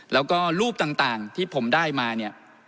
แล้วก็รูปต่างที่ผมได้มาเนี่ย